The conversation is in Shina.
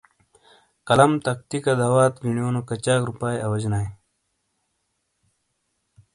قلم، تختی گہ دوات گینیو کچاک رُُوپاۓ اواجیناۓ؟